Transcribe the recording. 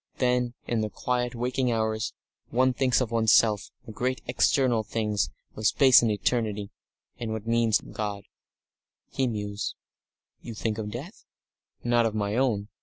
Then, in the quiet, waking hours, one thinks of one's self and the great external things, of space and eternity, and what one means by God." He mused. "You think of death?" "Not of my own.